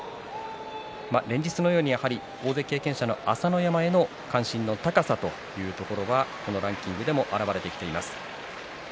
連日のようにやはり大関経験者の朝乃山への関心の高さというところがランキングに表れています。